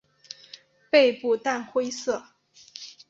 背部淡灰色。